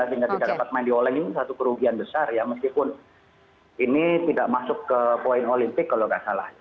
sehingga tidak dapat main di olling ini satu kerugian besar ya meskipun ini tidak masuk ke poin olimpik kalau tidak salah